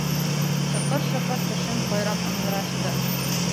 Шыҡыр-шыҡыр тешен ҡайрап ыңғырашты.